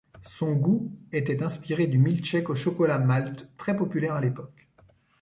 Son goût était inspiré du milk-shake au chocolat-malt très populaire à l'époque.